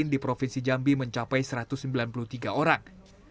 di provinsi jambi mencapai satu ratus sembilan puluh tiga orang